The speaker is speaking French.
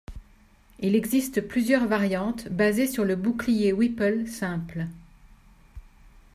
Il existe plusieurs variantes basées sur le bouclier Whipple simple.